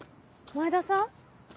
前田さん？